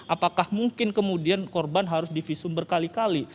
apakah mungkin kemudian korban harus di visum berkali kali